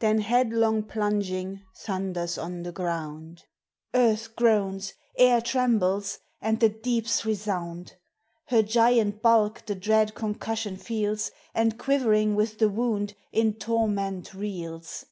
Then headlong plunging thunders on the ground; Earth groans! air trembles! and the deeps re sound ! Her giant bulk the dread concussion feels, And quivering with the wound in torment reels.